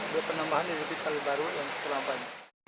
buat penambahan lebih lebih air baru yang kelaman